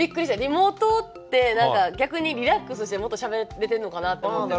リモートって何か逆にリラックスしてもっとしゃべれてんのかなって思ってたから。